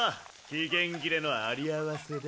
期限切れのあり合わせだ。